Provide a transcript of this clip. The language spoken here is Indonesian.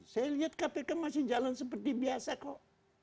saya lihat kpk masih jalan seperti biasa kok